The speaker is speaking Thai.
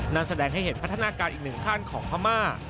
นั่นแสดงให้เห็นพัฒนาการอีกหนึ่งขั้นของพม่า